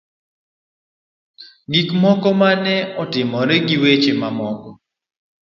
Gik moko ma ne otimore gi weche mamoko.